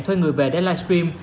thuê người về để live stream